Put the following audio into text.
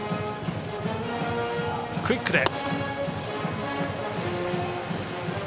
クイックで。